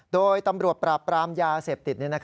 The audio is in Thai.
โดยตำรวจปราบปรามยาเสพติด